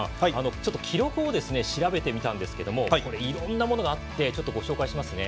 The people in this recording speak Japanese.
ちょっと記録を調べてみたんですけれどもこれ、いろんなものがあって紹介しますね。